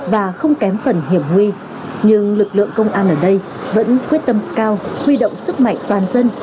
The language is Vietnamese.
và không kém phần hiểm nguy nhưng lực lượng công an ở đây vẫn quyết tâm cao huy động sức mạnh toàn dân